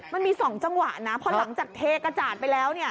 มันมี๒จังหวะนะพอหลังจากเทกระจาดไปแล้ว